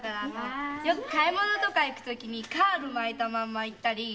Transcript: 「よく買い物とか行くときにカール巻いたまんま行ったり」